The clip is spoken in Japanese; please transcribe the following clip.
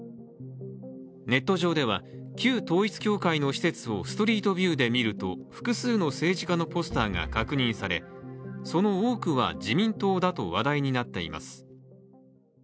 ネット上では旧統一教会の施設をストリートビューで見ると複数の政治家のポスターが確認され、その多くは自民党だと話題になっています。